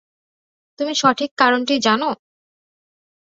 তুমি সঠিক কারণটি জান।